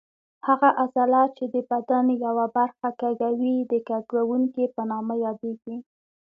هغه عضله چې د بدن یوه برخه کږوي د کږوونکې په نامه یادېږي.